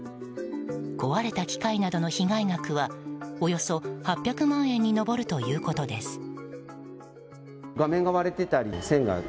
壊れた機械などの被害額はおよそ８００万円に上るということです。